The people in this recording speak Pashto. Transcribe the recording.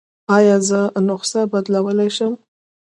ایا زه نسخه بدلولی شم؟